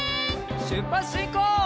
しゅっぱつしんこう！